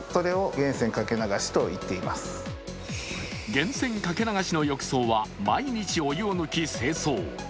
源泉かけ流しの浴槽は毎日お湯を抜き、清掃。